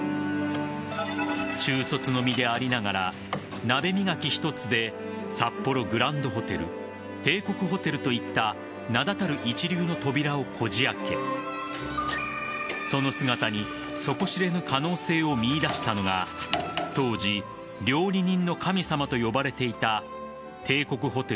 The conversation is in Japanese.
中卒の身でありながら鍋磨き一つで札幌グランドホテル帝国ホテルといった名だたる一流の扉をこじ開けその姿に底知れぬ可能性を見いだしたのが当時料理人の神様と呼ばれていた帝国ホテル